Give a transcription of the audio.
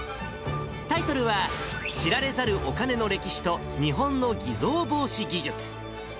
タイトルは、知られざるお金の歴史と日本の偽造防止技術。